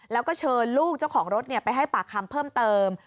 แล้วก็เชิญลูกเจ้าของรถไปให้ปากคำเพิ่มเติม